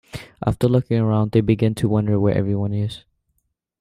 After looking around, they begin to wonder where everyone is.